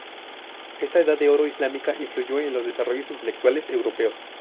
Esta Edad de Oro islámica influyó en los desarrollos intelectuales europeos.